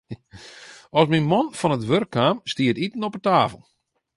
As myn man fan it wurk kaam, stie it iten op 'e tafel.